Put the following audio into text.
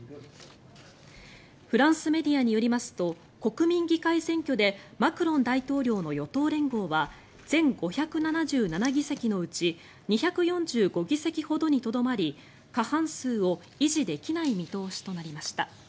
フランスメディアによりますと国民議会選挙でマクロン大統領の与党連合は全５７７議席のうち２４５議席ほどにとどまり過半数を維持できない見通しとなりました。